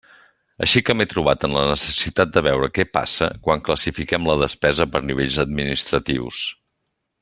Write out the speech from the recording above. Així que m'he trobat en la necessitat de veure què passa quan classifiquem la despesa per nivells administratius.